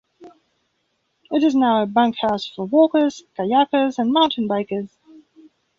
It is now a bunkhouse for walkers, kayakers and mountain bikers.